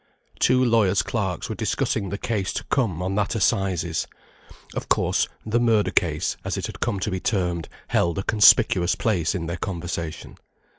Two lawyers' clerks were discussing the cases to come on that Assizes; of course, "the murder case," as it had come to be termed, held a conspicuous place in their conversation.